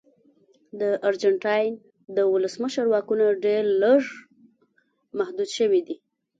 د ارجنټاین د ولسمشر واکونه ډېر لږ محدود شوي دي.